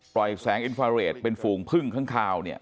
ปล่อยแสงอินฟาเรดเป็นฝูงพึ่งข้างคาว